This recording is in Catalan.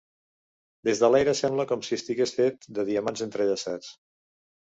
Des de l'aire sembla com si estigués fet de diamants entrellaçats.